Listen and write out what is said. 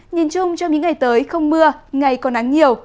nhìn chung trong những ngày tới không mưa ngày còn nắng nhiều